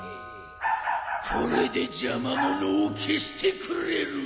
これでじゃまものをけしてくれるわ！